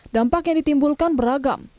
dampak yang ditimbulkan beragam